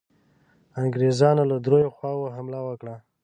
انګرېزانو له دریو خواوو حمله وکړه.